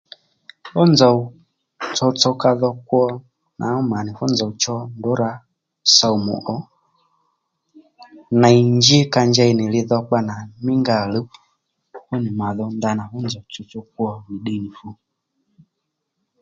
Fú nzòw tsotso ka dho kwo nwǎngú mà nì fú nzòw cho ndrǔ rǎ sòmù ò ney njí ka njey nì lidhokpa nà mí nga ò luw fú nì mà dho ndanà fú nzòw tsotso kwo nì mí ddiy nì fu